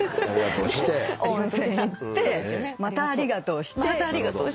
温泉行ってまたありがとうして。